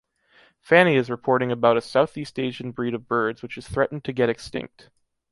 Fanny is reporting about a Southeast-Asian breed of birds which is threatened to get extinct.